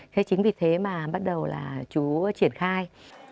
thế chính vì thế mà bắt đầu là chú triển khai